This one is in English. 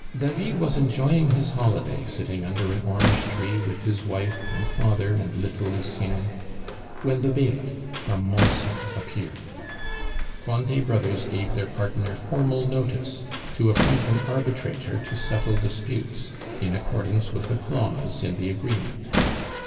David was enjoying his holiday sitting under an orange tree with his wife, and father, and little Lucien, when the bailiff from Mansle appeared. Cointet Brothers gave their partner formal notice to appoint an arbitrator to settle disputes, in accordance with a clause in the agreement.